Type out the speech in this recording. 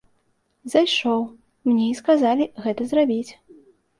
Зайшоў, мне і сказалі гэта зрабіць.